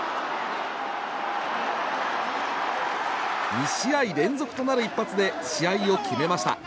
２試合連続となる一発で試合を決めました。